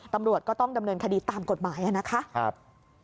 ตำรวจก็ต้องดำเนินคดีตามกฎหมายนะครับ